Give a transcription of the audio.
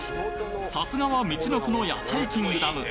さすがはみちのくの野菜キングダム